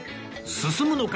進むのか？